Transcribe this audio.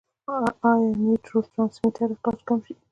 يا نيوروټرانسميټر اخراج کم شي -